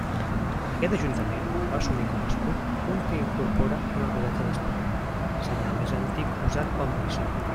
Aquest Ajuntament va assumir com a escut un que incorpora una rodeta d'esperó, senyal més antic usat pel municipi.